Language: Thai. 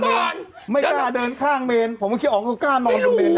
ไปก่อนไม่กล้าเดินข้างเมนผมไม่คิดออกก็กล้านอนบนเมนอย่างเดียว